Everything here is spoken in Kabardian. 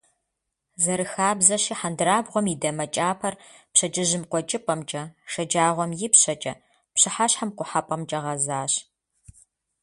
Зэрыхабзэщи, хьэндырабгъуэм и дамэ кӀапэр пщэдджыжьым къуэкӀыпӀэмкӀэ, шэджагъуэм — ипщэкӀэ, пщыхьэщхьэм — къухьэпӀэмкӀэ гъэзащ.